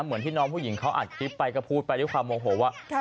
เหมือนที่น้องผู้หญิงเขาอัดคลิปไปก็พูดไปด้วยความโมโหว่า